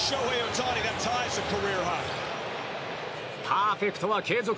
パーフェクトは継続。